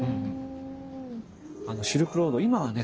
シルクロード今はね